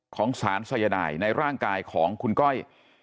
ของสารสายนายในร่างกายของคุณก้อย